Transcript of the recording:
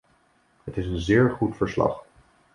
Het is een zeer goed verslag.